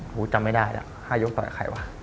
ถูกจำไม่ได้อะ๕ยกต่อยใครวะ